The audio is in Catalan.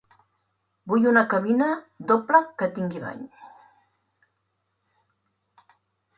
Vull una cabina doble, que tingui bany.